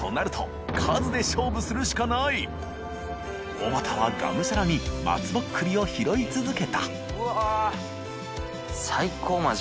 おばたはがむしゃらに松ぼっくりを拾い続けた）